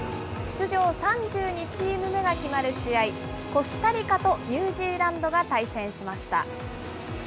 出場３２チーム目が決まる試合、コスタリカとニュージーランドが対戦しました。